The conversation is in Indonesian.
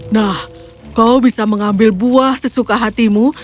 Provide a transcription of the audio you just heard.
nah kau bisa mengambil buah sesuka hatimu